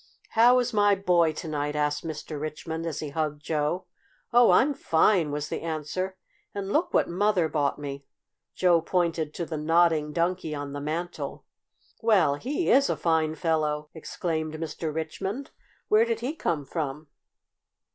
"How is my boy to night?" asked Mr. Richmond, as he hugged Joe. "Oh, I'm fine!" was the answer. "And look what Mother bought me!" Joe pointed to the Nodding Donkey on the mantel. "Well, he is a fine fellow!" exclaimed Mr. Richmond. "Where did he come from?"